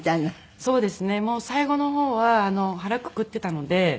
そうですねもう最後の方は腹くくってたので。